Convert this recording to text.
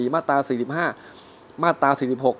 มาตรามาตรา